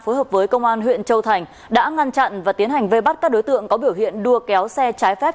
phối hợp với công an huyện châu thành đã ngăn chặn và tiến hành vây bắt các đối tượng có biểu hiện đua kéo xe trái phép